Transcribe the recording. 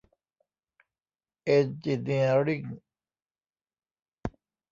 เอนจิเนียริ่ง